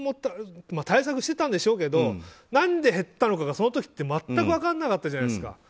対策をしていたんでしょうけど何で減ったのかがその時って全く分からなかったじゃないですか。